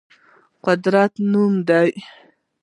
قدرت نوم دی.